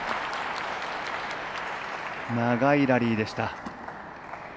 長いラリーでした。